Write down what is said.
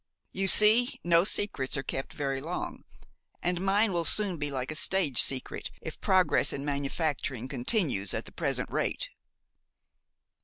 You see no secrets are kept very long, and mine will soon be like a stage secret if progress in manufacturing continues at the present rate."